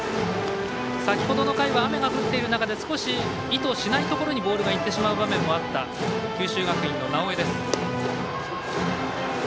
先ほど回は雨が降っている中で意図しない方向にボールがいってしまう場面もあった九州学院の直江。